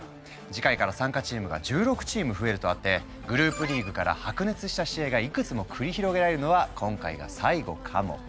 次回から参加チームが１６チーム増えるとあってグループリーグから白熱した試合がいくつも繰り広げられるのは今回が最後かも。